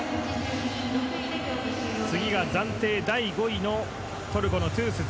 次が暫定第５位のトルコのトゥースズ。